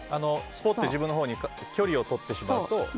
スポって自分にほうに距離をとってしまうと良くない。